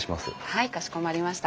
はいかしこまりました。